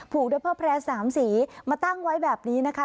ด้วยพ่อแพร่๓สีมาตั้งไว้แบบนี้นะคะ